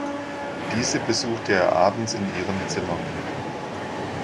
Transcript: Diese besuchte er abends in ihrem Zimmer.